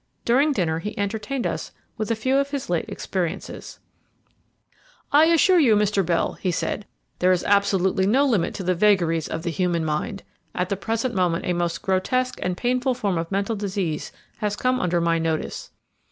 During dinner he entertained us with a few of his late experiences "I assure you, Mr. Bell," he said, "there is absolutely no limit to the vagaries of the human mind. At the present moment a most grotesque and painful form of mental disease has come under my notice.